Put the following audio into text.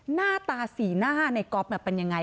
หน้าตาสีหน้าในก๊อฟเป็นยังไง